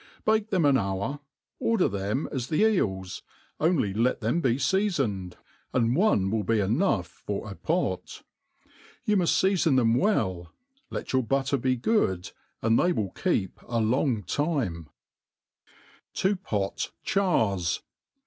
Bake them an hour ; order them as the eels, only let them be feafoned, and one will be enough for a pot. You muft feafon them well ^ let your butter be good, and they will keep a long time, Ta «j8 tliE Aitt ot fiootttit^ ' 7) pii Cbdrri.